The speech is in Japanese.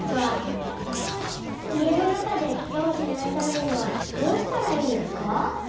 家の中でケガをしないためにはどうしたらいいんですか？